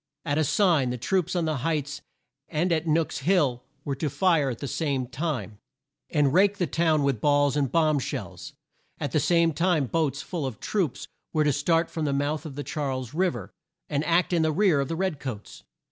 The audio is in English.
At a sign, the troops on the Heights and at Nook's Hill were to fire at the same time, and rake the town with balls and bomb shells. At the same time boats full of troops were to start from the mouth of Charles Riv er, and act in the rear of the red coats.